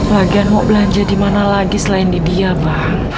lagian mau belanja dimana lagi selain di dia mbak